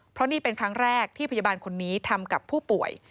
เพราะนี่เป็นครั้งแรกที่พยาบาลคนนี้ทำกับผู้ป่วย